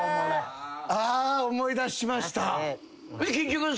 あー思い出しました。